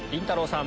さん。